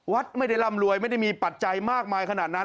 วัดไม่ได้ร่ำรวยไม่ได้มีปัจจัยมากมายขนาดนั้น